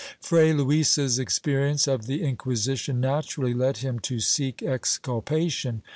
^ Fray Luis's experience of the Inquisition naturally led him to seek exculpation.